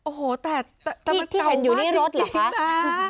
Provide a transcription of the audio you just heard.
โอ้โฮแต่แต่มันเก่ามากที่เห็นอยู่ในรถหรือเปล่าคะ